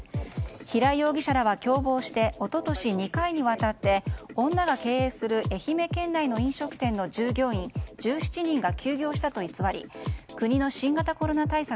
平井容疑者らは共謀して一昨年２回にわたって女が経営する愛媛県内の飲食店の従業員１７人が休業したと偽り国の新型コロナ対策